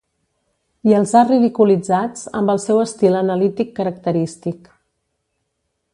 I els ha ridiculitzats amb el seu estil analític característic.